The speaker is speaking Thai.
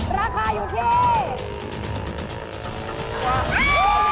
ราคาอยู่ที่